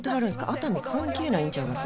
熱海関係ないんちゃいます？